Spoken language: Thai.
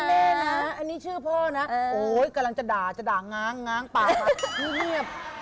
แม่นะอันนี้ชื่อพ่อนะโอ้ยกำลังจะด่าจะด่าง้าง้างปากเงียบ